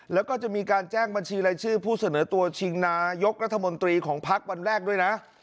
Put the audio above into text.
แล้วก็จะมีการแจ้งบัญชีรายชื่อผู้เสนอตัวชิงนายกรัฐมนตรีของพักวันแรกด้วยนะ